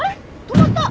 止まった！